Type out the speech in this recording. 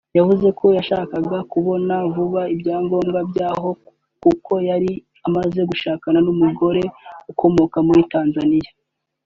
yavuze ko yashakaga kubona vuba ibyangombwa by’aho kuko yari amaze gushakana n’Umugore ukomoka muri Tanzania